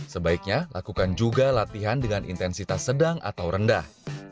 sebaiknya lakukan juga latihan dengan intensitas sedang atau rendah